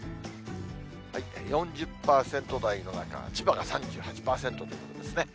４０％台の中、千葉が３８％ということですね。